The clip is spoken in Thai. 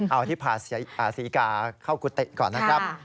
เอาที่พาศรีกาเข้ากุฏิก่อนนะครับ